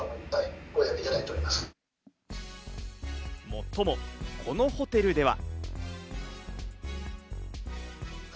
もっとも、このホテルでは。